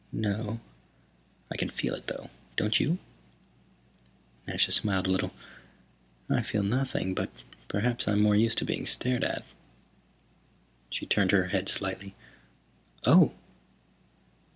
"No. I can feel it, though. Don't you?" Nasha smiled a little. "I feel nothing, but perhaps I'm more used to being stared at." She turned her head slightly. "Oh!"